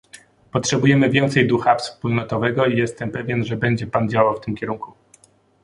Potrzebujemy więcej ducha wspólnotowego i jestem pewien, że będzie Pan działał w tym kierunku